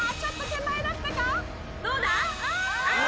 どうだ？